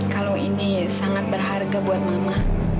kalau ini sangat berharga buat mama